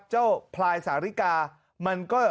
เจ้าพลายสาริกามันก็